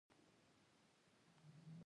ډېر کسان په دې برخه کې پاتې راځي.